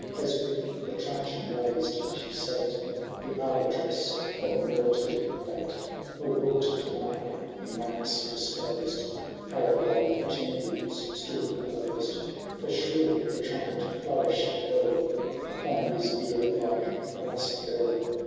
As, with the truncheon raised, she sate The arbitress of mortal fate ; Nor brooked to mark, in ranks disposed. How the bold champions stood opposed. For shrill the trumpet flourish fell Upon his ear like passing bell